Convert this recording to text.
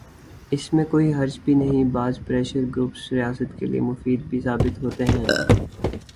اس میں کوئی حرج بھی نہیں، بعض پریشر گروپس ریاست کے لئے مفید بھی ثابت ہوتے ہیں۔